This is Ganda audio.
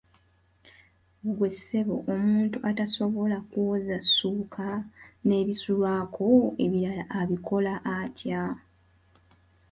Ggwe ssebo omuntu atasobola kwoza ssuuka n'ebisulwako ebirala abikola atya?